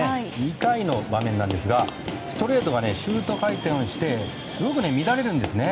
２回の場面なんですがストレートがシュート回転してすごく乱れるんですね。